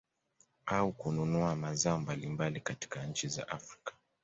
Au kununua mazao mbalimbali katika nchi za Afrika